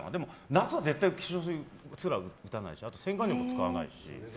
夏は絶対化粧水は打たないし洗顔料も使わないし。